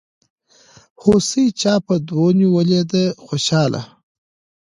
هوسۍ چا په دو نيولې دي خوشحاله